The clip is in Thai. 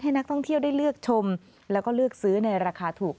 นักท่องเที่ยวได้เลือกชมแล้วก็เลือกซื้อในราคาถูก